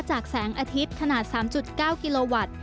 แสงอาทิตย์ขนาด๓๙กิโลวัตต์